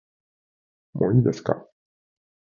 もういいですか